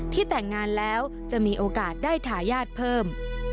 แต่งงานแล้วจะมีโอกาสได้ทายาทเพิ่ม